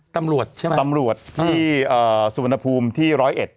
ตำรวจที่สุนภูมิที่๑๐๑